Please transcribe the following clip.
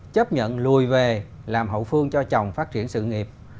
chấp nhận lùi về làm hậu phương cho chồng phát triển sự nghiệp